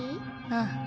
ああ。